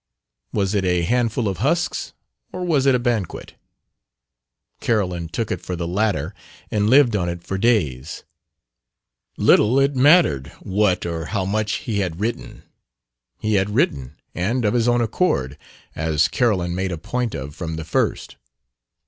Was it a handful of husks, or was it a banquet? Carolyn took it for the latter and lived on it for days. Little it mattered what or how much he had written: he had written, and of his own accord as Carolyn made a point of from the first.